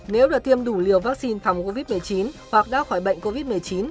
nếu được tiêm đủ liều vaccine phòng covid một mươi chín hoặc đã khỏi bệnh covid một mươi chín